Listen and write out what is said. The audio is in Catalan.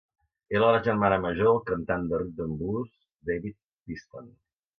Era la germana major del cantant de Rhythm and Blues David Peaston.